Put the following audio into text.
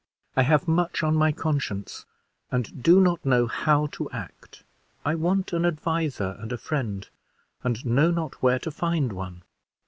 I have much on my conscience, and do not know how to act. I want an adviser and a friend, and know not where to find one."